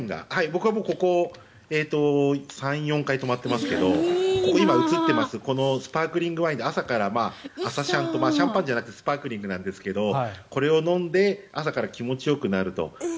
僕はここ、３４回泊まってますがここ今、写っていますスパークリングワインで朝から朝シャンとシャンパンじゃなくてスパークリングなんですがこれを飲んで朝から気持ちよくなると。